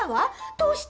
どうして？